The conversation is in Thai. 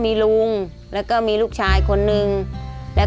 ขอเพียงคุณสามารถที่จะเอ่ยเอื้อนนะครับ